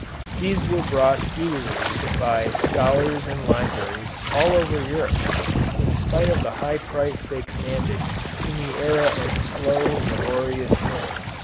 These were bought eagerly by scholars and libraries all over Europe in spite of the high price they commanded in that era of slow, laborious printing.